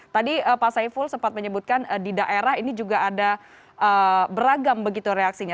tadi pak saiful sempat menyebutkan di daerah ini juga ada beragam begitu reaksinya